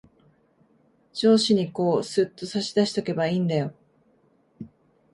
上司にこう、すっと差し出しとけばいんだよ。